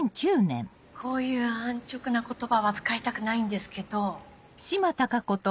こういう安直な言葉は使いたくないんですけど。